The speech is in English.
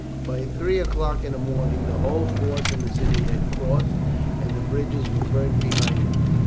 By three o'clock in the morning the whole force in the city had crossed, and the bridges were burnt behind them.